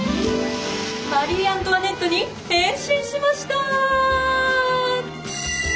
マリ・アントワネットに変身しました！